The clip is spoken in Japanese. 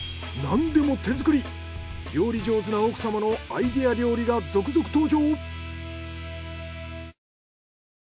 料理上手な奥様のアイデア料理が続々登場！